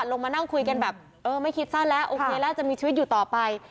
ลงมานั่งคุยกันแบบเออไม่คิดสั้นแล้วโอเคแล้วจะมีชีวิตอยู่ต่อไป